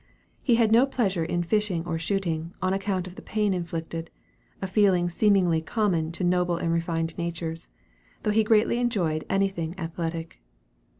He had no pleasure in fishing or shooting, on account of the pain inflicted, a feeling seemingly common to noble and refined natures, though he greatly enjoyed anything athletic.